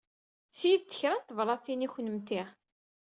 Ti d kra n tebṛatin i kennemti.